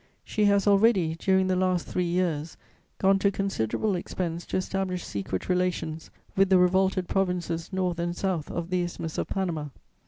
She has already, during the last three years, gone to considerable expense to establish secret relations with the revolted provinces north and south of the Isthmus of Panama.